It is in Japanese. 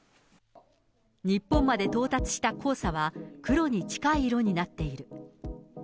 日本まで到達した黄砂は、黒に近い色になっている。